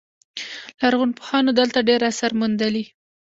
لرغونپوهانو دلته ډیر اثار موندلي